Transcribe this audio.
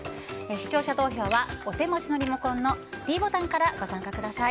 視聴者投票はお手持ちのリモコンのｄボタンからご参加ください。